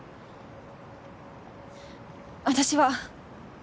私は。